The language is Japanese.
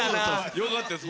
よかったです